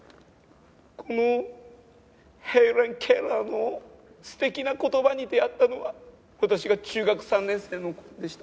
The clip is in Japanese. このヘレン・ケラーの素敵な言葉に出会ったのは私が中学３年生の頃でした。